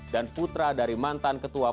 dan putra dari mantan ketua pki